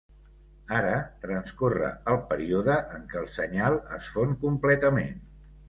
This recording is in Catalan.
Ara, transcorre el període en què el senyal es fon completament.